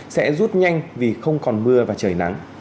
sẽ rút nhanh vì không còn mưa và trời nắng